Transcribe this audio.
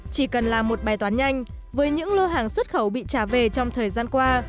chỉ cần là một bài toán nhanh với những lô hàng xuất khẩu bị trả về trong thời gian qua